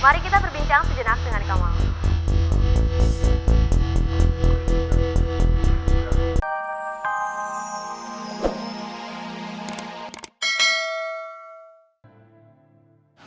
mari kita berbincang sejenak dengan kamu